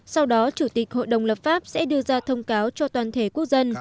sau đó chủ tịch hội đồng lập pháp sẽ đưa ra thông cáo cho toàn thể quốc dân